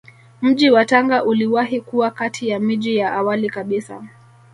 Mji wa Tanga uliwahi kuwa kati ya miji ya awali kabisa